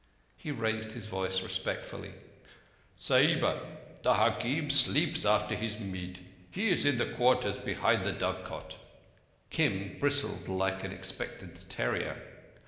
He raised his voice respectfully: "Sahiba, the hakim sleeps after his meat. He is in the quarters behind the dovecote." Kim bristled like an expectant terrier.